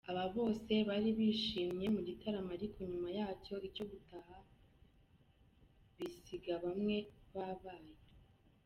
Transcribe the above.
Aba bose bari bishimye mu gitaramo ariko nyuma yacyo ibyo gutaha bisiga bamwe bababaye .